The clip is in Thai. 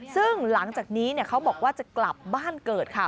ซึ่งหลังจากนี้เขาบอกว่าจะกลับบ้านเกิดค่ะ